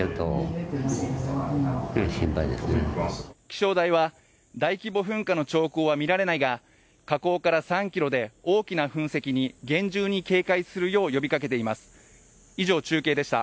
気象台は大規模噴火の兆候は見られないが、火口から３ｋｍで大きな噴石に厳重に警戒するよう呼びかけています。